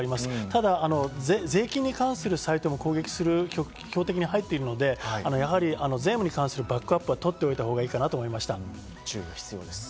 ただ税金に関するサイトも攻撃する標的に入っているので、全部バックアップを取っておいたほうがいいかなと思いました。